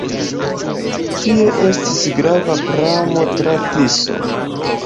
Tie estis grava pramo tra Tiso.